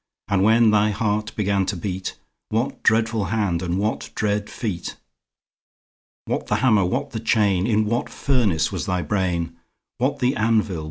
10 And when thy heart began to beat, What dread hand and what dread feet? What the hammer? what the chain? In what furnace was thy brain? What the anvil?